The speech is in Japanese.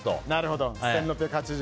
なるほど。